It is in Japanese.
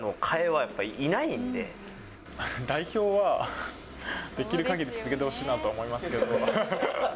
代表はできるかぎり続けてほしいなと思いますけど。